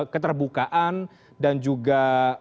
keterbukaan dan juga